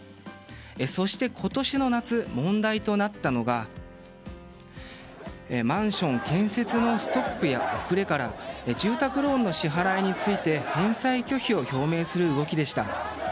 そして、今年の夏に問題となったのがマンション建設のストップや遅れから住宅ローンの支払いについて返済拒否を表明する動きでした。